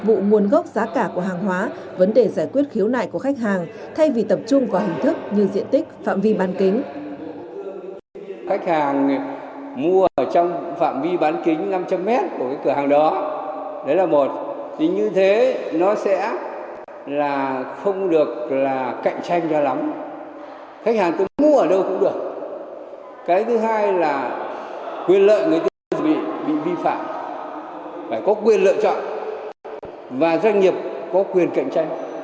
phải có quyền lựa chọn và doanh nghiệp có quyền cạnh tranh